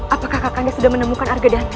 apakah kakak anda sudah menemukan arga dana